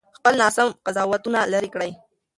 خپل ناسم قضاوتونه لرې کړئ.